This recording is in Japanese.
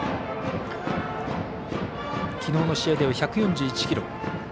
きのうの試合では１４１キロ。